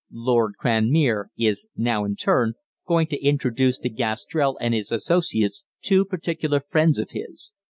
'Lord Cranmere' is now, in turn, going to introduce to Gastrell and his associates two particular friends of his.